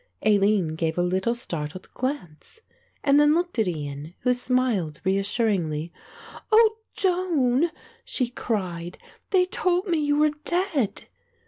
Aline gave a little startled glance and then looked at Ian, who smiled reassuringly. "O Joan," she cried, "they told me you were dead."